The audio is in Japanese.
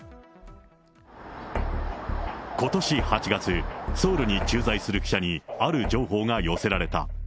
ことし８月、ソウルに駐在する記者に、ある情報が寄せられた。